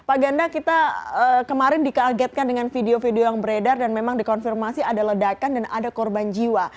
pak ganda kita kemarin dikagetkan dengan video video yang beredar dan memang dikonfirmasi ada ledakan dan ada korban jiwa